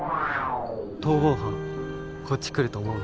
逃亡犯こっち来ると思う？